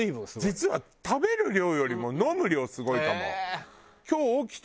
実は食べる量よりも飲む量すごいかも。